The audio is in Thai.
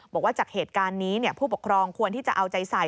บอกว่าจากเหตุการณ์นี้ผู้ปกครองควรที่จะเอาใจใส่